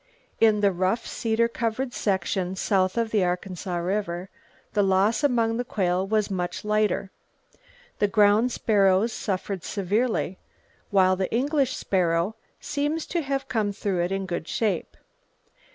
In the rough cedar covered sections south of the Arkansas River, the loss among the quail was much lighter. The ground sparrows suffered severely, while the English sparrow seems to have come through in good shape.